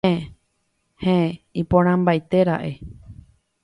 Heẽ iporãmbaitera'e.